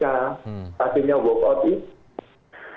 akhirnya work out itu